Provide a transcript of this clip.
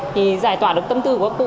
thì giải tỏa được tâm tư của các cụ